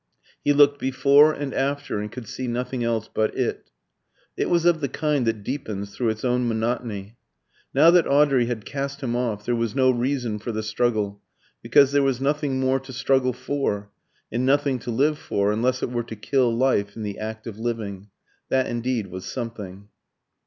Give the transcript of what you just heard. He looked before and after, and could see nothing else but it. It was of the kind that deepens through its own monotony. Now that Audrey had cast him off, there was no reason for the struggle, because there was nothing more to struggle for, and nothing to live for unless it were to kill life in the act of living. That indeed was something.